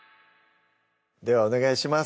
ではお願いします